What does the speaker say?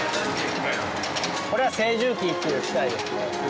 これは精揉機っていう機械ですね。